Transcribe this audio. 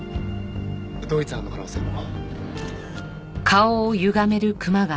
同一犯の可能性も。